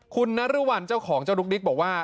คุณนรวรรณเจ้าของเจ้าดุ๊กดิ๊กบอกว่า